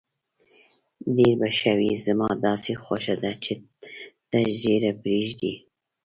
ډېر به ښه وي، زما داسې خوښه ده چې ته ږیره پرېږدې.